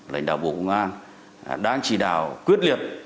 lãnh đạo bộ công an đang chỉ đạo quyết liệt